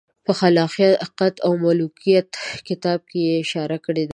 په خلافت او ملوکیت کتاب کې یې اشاره کړې ده.